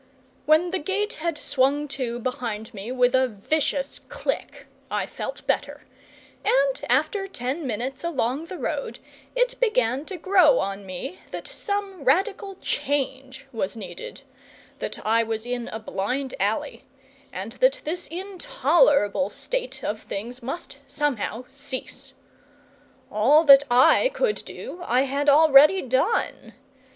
When the gate had swung to behind me with a vicious click I felt better, and after ten minutes along the road it began to grow on me that some radical change was needed, that I was in a blind alley, and that this intolerable state of things must somehow cease. All that I could do I had already done.